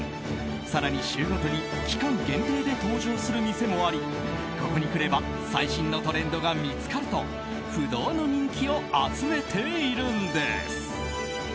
更に週ごとに期間限定で登場する店もありここに来れば最新のトレンドが見つかると不動の人気を集めているんです。